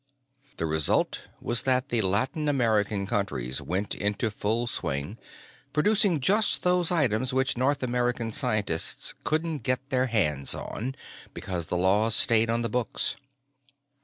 The result was that the Latin American countries went into full swing, producing just those items which North American scientists couldn't get their hands on, because the laws stayed on the books.